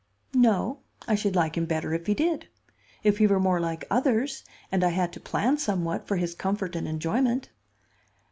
"No. I should like him better if he did; if he were more like others, and I had to plan somewhat for his comfort and enjoyment."